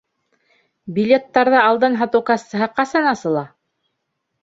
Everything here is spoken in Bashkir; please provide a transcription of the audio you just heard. Билеттарҙы алдан һатыу кассаһы ҡасан асыла?